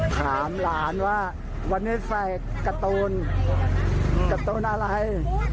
ถามหลานว่าวันนี้ใส่การ์ตูนอะไร